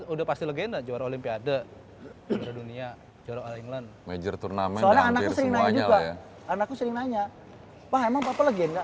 udah pasti legenda juara olimpiade dunia major turnamen anakku sering nanya emang apa apa legenda